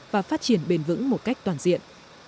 và phát triển bền vững một cách toàn diện